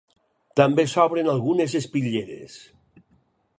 També s'obren algunes espitlleres.